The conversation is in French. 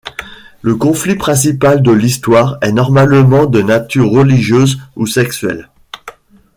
Le conflit principal de l'histoire est normalement de nature religieuse ou sexuelle.